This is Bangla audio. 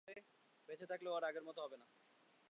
বেঁচে থাকলেও ও আর আগের মতো হবে না!